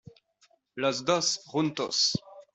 los dos, juntos.